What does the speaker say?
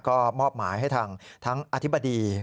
ก็มอบหมายให้ทางทั้งอธิบดี